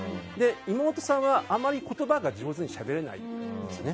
妹さんはあまり言葉が上手にしゃべれないんですね。